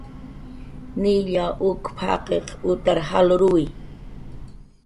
"Nilla uk""p"" jaqiq utar jalruwi"